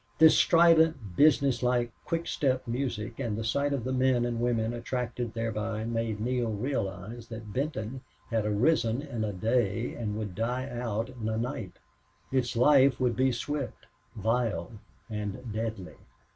This strident, businesslike, quick step music and the sight of the men and women attracted thereby made Neale realize that Benton had arisen in a day and would die out in a night; its life would be swift, vile, and deadly.